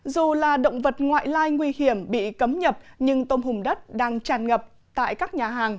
dù là động vật ngoại lai nguy hiểm bị cấm nhập nhưng tôm hùm đất đang tràn ngập tại các nhà hàng